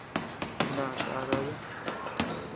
Na kaʼa daya.